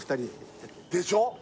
でしょ？